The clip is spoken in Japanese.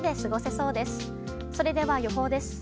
それでは、予報です。